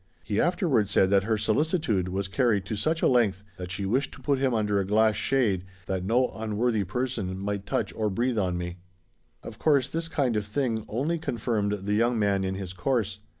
He afterward said that her solicitude was carried to such a length that she wished to put him under a glass shade, "that no unworthy person might touch or breathe on me." Of course this kind of thing only confirmed the young man in his course.